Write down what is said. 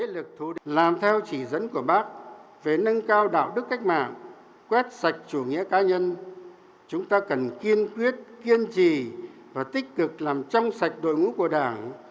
làm theo chỉ dẫn của bác về nâng cao đạo đức cách mạng quét sạch chủ nghĩa cá nhân chúng ta cần kiên quyết kiên trì và tích cực làm trong sạch đội ngũ của đảng